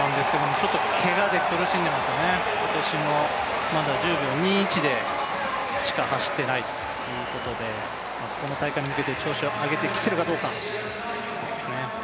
けがで苦しんでいますね、今年もまだ１０秒２１でしか走っていないということでこの大会に向けて調子を上げてきているかどうかですね。